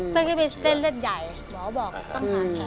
ตัดได้แค่ไปเต้นเล็ดใหญ่หมอบอกต้องตัดขา